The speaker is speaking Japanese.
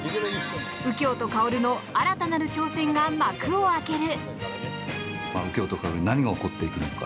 右京と薫の新たなる挑戦が幕を開ける。